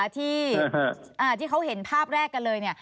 ที่เขาเห็นภาพแรกกันเลยเนี่ย